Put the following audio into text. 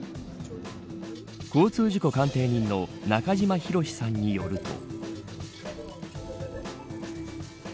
交通事故鑑定人の中島博史さんによると。